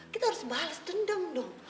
kita harus bales dendam dong